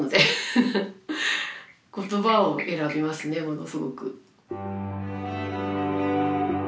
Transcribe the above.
言葉を選びますねものすごく。